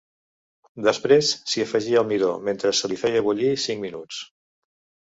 Després, s'hi afegia el midó mentre se li feia bullir cinc minuts.